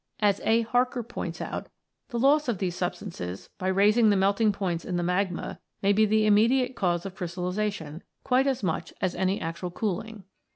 As A. Harker points out(o), "the loss of these substances, by raising the melting points in the magma, may be the immediate cause of crystallization, quite as much as any actual cooling."